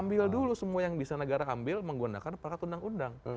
ambil dulu semua yang bisa negara ambil menggunakan perangkat undang undang